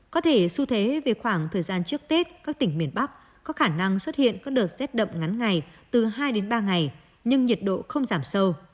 có thể xu thế về khoảng thời gian trước tết các tỉnh miền bắc có khả năng xuất hiện các đợt rét đậm ngắn ngày từ hai đến ba ngày nhưng nhiệt độ không giảm sâu